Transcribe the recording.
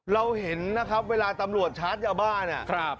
เราเห็นนะครับเวลาตำรวจชาร์จยาบ้าเนี่ย